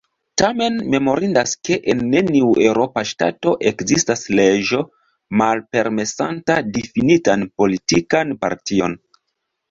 Tamen memorindas, ke en neniu eŭropa ŝtato ekzistas leĝo malpermesanta difinitan politikan partion.